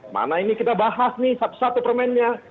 mana ini kita bahas nih satu satu permennya